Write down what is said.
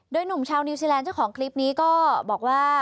โดยหนุ่มชาวนิวซีแลนด์เจ้าของคลิปนี้ก็บอกว่า